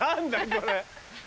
これ。